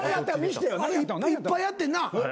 いっぱいやってんな？